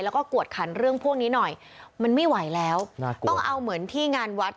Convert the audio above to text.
แล้วก็กวดขันเรื่องพวกนี้หน่อยมันไม่ไหวแล้วต้องเอาเหมือนที่งานวัด